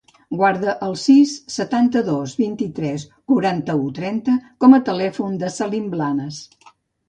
Guarda el sis, setanta-dos, vint-i-tres, quaranta-u, trenta com a telèfon del Salim Blanes.